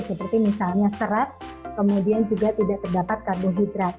seperti misalnya serat kemudian juga tidak terdapat karbohidrat